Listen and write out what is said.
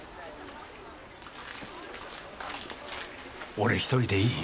俺一人でいい。